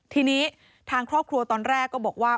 ทีนี้ทางครอบครัวตอนแรกก็บอกว่า